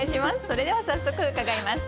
それでは早速伺います。